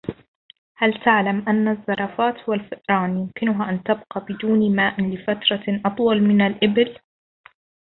هل تعلم أن الزرافات والفئران يمكنها أن تبقى بدون ماء فترة أطول من الإبل.